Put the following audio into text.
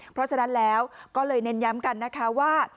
เพราะฉะนั้นแล้วก็เลยเน้นย้ำกันนะคะว่า